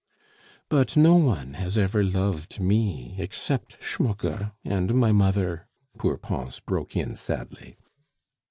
"But no one has ever loved me except Schmucke and my mother," poor Pons broke in sadly.